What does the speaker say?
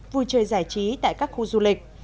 vui chơi giải trí tại các khu du lịch